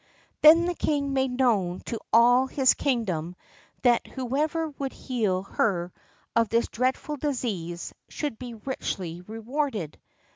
Then the king made known to all his kingdom that whoever would heal her of this dreadful disease should be richly rewarded.